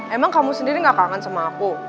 emang kamu sendiri gak kangen sama aku